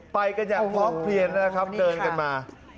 ไปกันอย่างพร้อมเพลียนนะครับเดินกันมา